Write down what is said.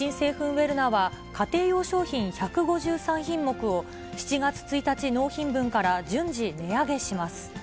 ウェルナは家庭用商品１５３品目を、７月１日納品分から順次値上げします。